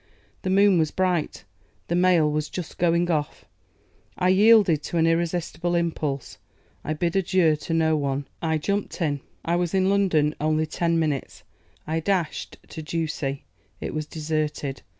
The moon was bright; the mail was just going off. I yielded to an irresistible impulse. I bid adieu to no one. I jumped in. I was in London only ten minutes. I dashed to Ducie. It was deserted.